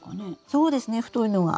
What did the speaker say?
そうですね太いのは。